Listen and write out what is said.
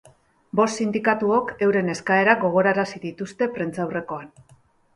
Bost sindikatuok euren eskaerak gogorarazi dituzte prentsaurrekoan.